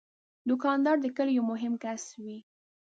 دوکاندار د کلي یو مهم کس وي.